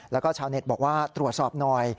แล้วก็ชาวเน็ตบอกว่าตรวจสอบหน่อย